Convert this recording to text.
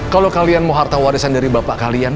kalau kalian mau harta warisan dari bapak kalian